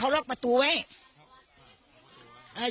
ล็อกประตูไว้